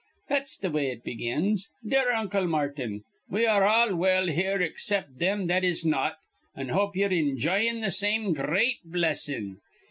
That's th' way it begins. 'Dear Uncle Martin: We are all well here, except thim that is not, an' hope ye're injyin' th' same gr reat blessin'.